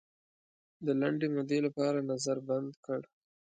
د لنډې مودې لپاره نظر بند کړ.